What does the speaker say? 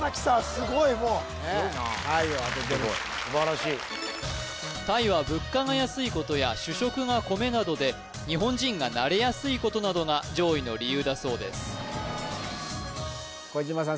すごいもうタイを当ててる素晴らしいタイは物価が安いことや主食が米などで日本人が慣れやすいことなどが上位の理由だそうです小島さん